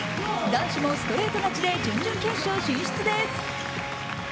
男子もストレート勝ちで準々決勝進出です。